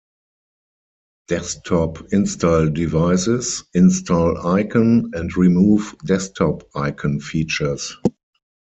Desktop 'Install devices', 'Install icon' and 'Remove desktop icon' features.